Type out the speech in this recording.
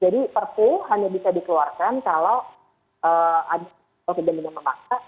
jadi perpu hanya bisa dikeluarkan kalau ada kegantian memaksa